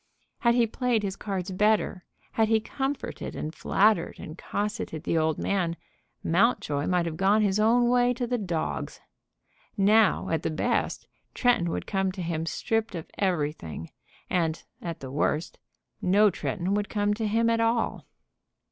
Had he played his cards better, had he comforted and flattered and cosseted the old man, Mountjoy might have gone his own way to the dogs. Now, at the best, Tretton would come to him stripped of everything; and, at the worst, no Tretton would come to him at all.